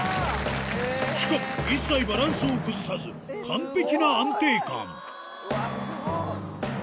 しかも一切バランスを崩さず、完璧な安定感。